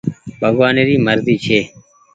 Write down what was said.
ڀگوآني ري مرزي ڇي